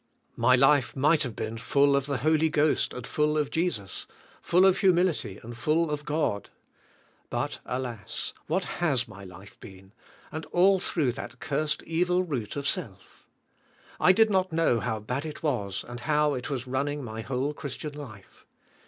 My life might have been full of the Holy Ghost and full of Jesus, full of humility and full of God. But, alas, what has my life been, and all through that cursed evil root of self. I did not know how bad it was and how it was running my whole Christian life.